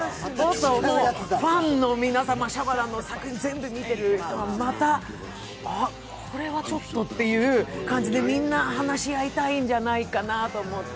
ファンの皆様、シャマランの作品を全部見ている方もまた、あこれはちょっとという感じでみんな話し合いたいんじゃないかなと思って。